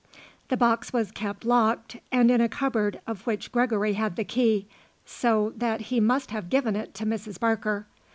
The box was kept locked, and in a cupboard of which Gregory had the key; so that he must have given it to Mrs. Barker.